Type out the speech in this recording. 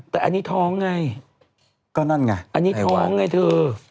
แต่อันนี้ท้องไงก็นั่นไงอันนี้ท้องไงเธอ